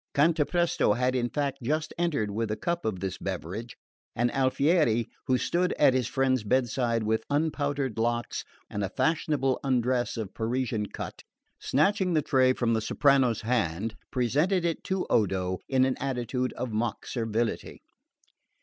Cantapresto had in fact just entered with a cup of this beverage, and Alfieri, who stood at his friend's bedside with unpowdered locks and a fashionable undress of Parisian cut, snatching the tray from the soprano's hands presented it to Odo in an attitude of mock servility.